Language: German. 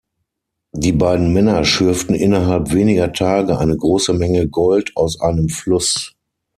Die beiden Männer schürften innerhalb weniger Tage eine große Menge Gold aus einem Fluss.